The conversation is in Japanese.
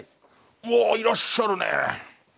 うわいらっしゃるね。